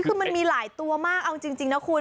คือมันมีหลายตัวมากเอาจริงนะคุณ